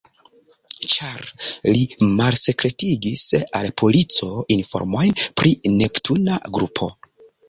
Ĉar li malsekretigis al polico informojn pri Neptuna grupo.